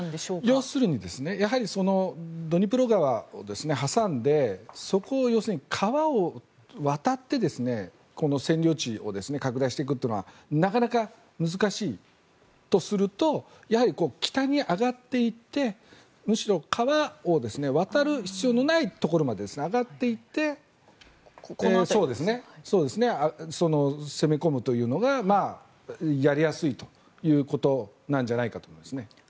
要するにドニプロ川を挟んでそこを、要するに川を渡って占領地を拡大していくってことはなかなか難しいとするとやはり北に上がっていってむしろ川を渡る必要のないところまで上がっていって攻め込むというのがやりやすいということなんじゃないかと思います。